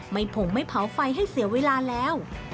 ผงไม่เผาไฟให้เสียเวลาแล้ว